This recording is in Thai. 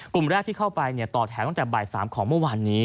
กลุ่มแรกที่เข้าไปต่อแถวตั้งแต่บ่าย๓ของเมื่อวานนี้